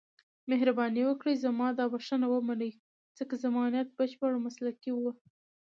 مهرباني وکړئ زما دا بښنه ومنئ، ځکه زما نیت بشپړ مسلکي و.